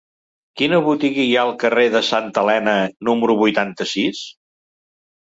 Quina botiga hi ha al carrer de Santa Elena número vuitanta-sis?